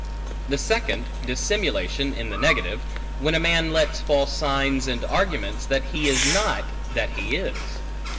The second, dissimulation, in the negative; when a man lets fall signs and arguments, that he is not, that he is.